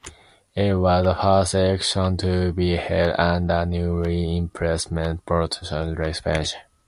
It was the first election to be held under newly implemented proportional representation.